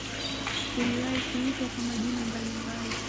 Iliwahi kuitwa kwa majina mbalimbali.